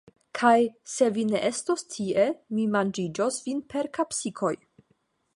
Kaj, se vi ne estos tie, mi manĝiĝos vin per kapsikoj!